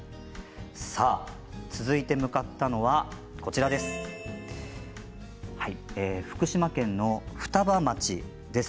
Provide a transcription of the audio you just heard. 続いて向かったのは福島県の双葉町です。